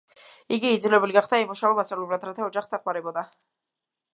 იგი იძულებული გახდა ემუშავა მასწავლებლად რათა ოჯახს დახმარებოდა.